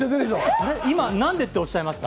今、なんでっておっしゃいました？